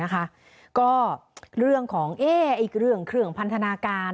ก็เรื่องของเรื่องเครื่องพันธนาการ